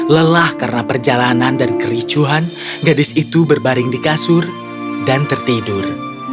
lelah karena perjalanan dan kericuhan gadis itu berbaring di kasur dan tertidur